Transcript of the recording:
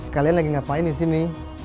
sekali lagi ngapain di sini